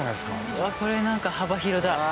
うわっこれなんか幅広だ。